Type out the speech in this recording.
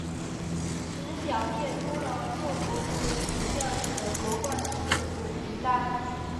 此表列出了各个国籍主教练的夺冠次数名单。